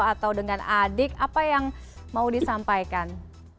atau dengan adik apa yang mau disampaikan